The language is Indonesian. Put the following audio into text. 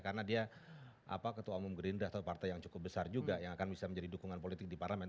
karena dia ketua umum gerindra atau partai yang cukup besar juga yang akan bisa menjadi dukungan politik di parlamen